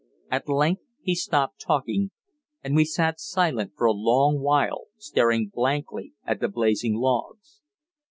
At length he stopped talking, and we sat silent for a long while, staring blankly at the blazing logs.